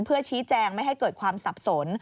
เพื่อชี้แจงไม่ให้เกิดความสับสน